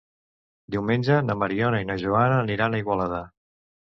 Diumenge na Mariona i na Joana aniran a Igualada.